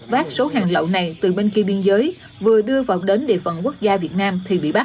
vác số hàng lậu này từ bên kia biên giới vừa đưa vào đến địa phận quốc gia việt nam thị bỉ bắc